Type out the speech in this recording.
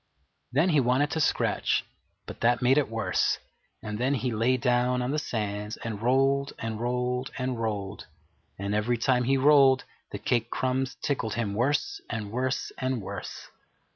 Then he wanted to scratch, but that made it worse; and then he lay down on the sands and rolled and rolled and rolled, and every time he rolled the cake crumbs tickled him worse and worse and worse.